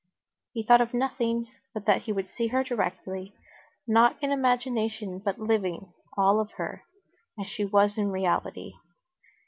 He thought of nothing but that he would see her directly, not in imagination, but living, all of her, as she was in reality.